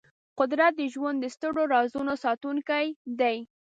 قدرت د ژوند د سترو رازونو ساتونکی دی.